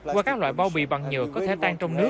qua các loại bao bì bằng nhựa có thể tan trong nước